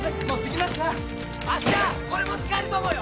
芦屋これも使えると思うよ。